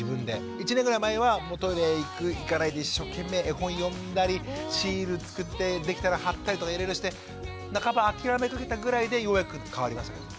１年ぐらい前はトイレ行く行かないで一生懸命絵本読んだりシールつくってできたら貼ったりとかいろいろして半ば諦めかけたぐらいでようやく変わりましたけどね。